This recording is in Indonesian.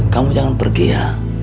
kamu jangan pergi ya